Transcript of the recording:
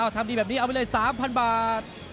ทำดีแบบนี้เอาไปเลย๓๐๐บาท